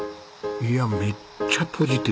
いやめっちゃポジティブ。